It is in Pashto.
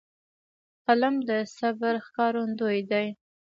قلم د صبر ښکارندوی دی